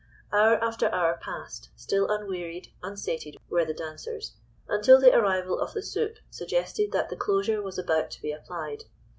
Hour after hour passed, still unwearied, unsated, were the dancers, until the arrival of the soup suggested that the closure was about to be applied.